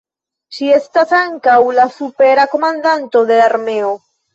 Ŝi estas ankaŭ la supera komandanto de la armeo.